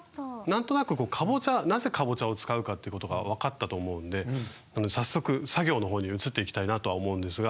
なんとなくなぜカボチャを使うかということが分かったと思うので早速作業の方に移っていきたいなとは思うんですが。